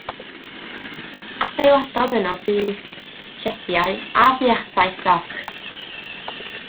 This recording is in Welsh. Adeiladodd yno dŷ, siediau a buarthau stoc.